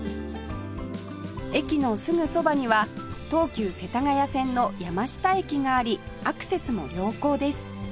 駅のすぐそばには東急世田谷線の山下駅がありアクセスも良好です